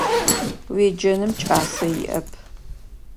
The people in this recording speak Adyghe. Уеджэным кӏасэ иӏэп.